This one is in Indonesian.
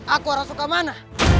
aku orang sukamana